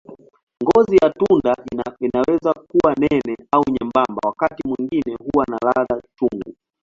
Ngozi ya tunda inaweza kuwa nene au nyembamba, wakati mwingine huwa na ladha chungu.